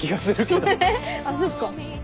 あっそっか。